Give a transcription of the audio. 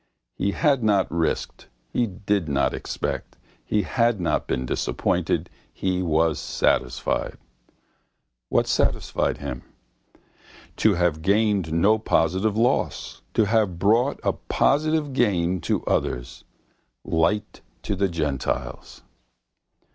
He had not risked, he did not expect, he had not been disappointed, he was satisfied. What satisfied him? To have sustained no positive loss. To have brought a positive gain to others. Light to the gentiles.